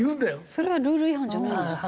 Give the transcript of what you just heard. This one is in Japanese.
それはルール違反じゃないんですか？